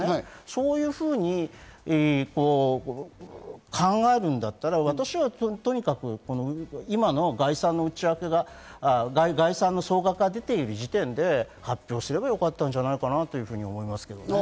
そういうふうに考えるんだったら私は今の概算の内訳、総額が出ている時点で発表すればよかったんじゃないかなと思いますけどね。